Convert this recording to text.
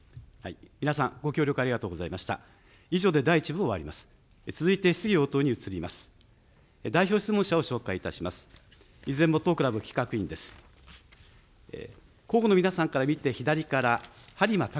皆さん、ご協力ありがとうございました。